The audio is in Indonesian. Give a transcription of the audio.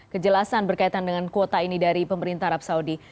kejelasan berkaitan dengan kuota ini dari pemerintah arab saudi